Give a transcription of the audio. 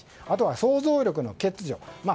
あとは想像力の欠如